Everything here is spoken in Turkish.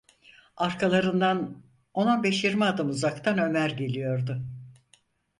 Arkalarından, on beş yirmi adım uzaktan Ömer geliyordu.